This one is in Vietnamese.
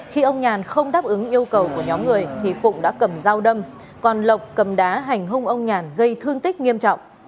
trong khi đánh bắn phụng đã cầm dao đâm lộc cầm đá hành hung ông nhàn gây thương tích nghiêm trọng